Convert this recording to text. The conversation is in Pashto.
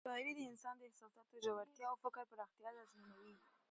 شاعري د انسان د احساساتو ژورتیا او د فکر پراختیا تضمینوي.